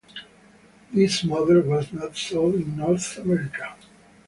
This model was not sold in North America.